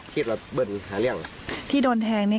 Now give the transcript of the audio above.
ทีบเราเบิ้ลหารากที่โดนแทงนี้